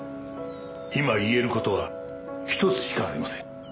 今言える事は１つしかありません。